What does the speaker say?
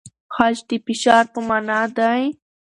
خج د فشار په مانا دی؟